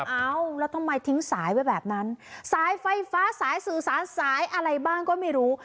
เอ้าแล้วทำไมทิ้งสายไว้แบบนั้นสายไฟฟ้าสายสื่อสารสายอะไรบ้างก็ไม่รู้